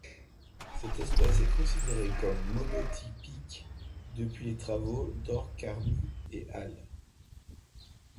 Cette espèce est considérée comme monotypique depuis les travaux d'Ore Carmi et al.